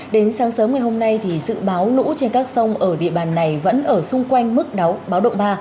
đến sáng sớm ngày hôm nay thì dự báo lũ trên các sông ở địa bàn này vẫn ở xung quanh mức báo động ba